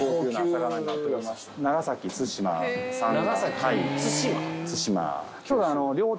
長崎の対馬？